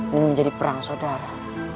dan menjadi perang sodara